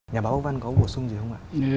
nhà báo âu văn có bổ sung gì không ạ